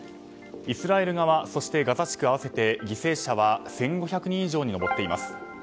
イスラエル側そしてガザ地区犠牲者は合わせて１５００人以上に上っています。